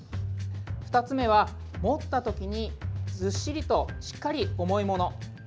２つ目は、持った時にずっしりとしっかり重いもの。